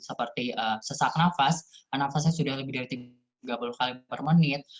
seperti sesak nafas nafasnya sudah lebih dari tiga puluh kali per menit